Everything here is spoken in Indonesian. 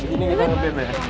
ini kita nge ban ya